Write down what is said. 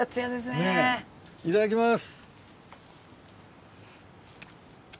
いただきます！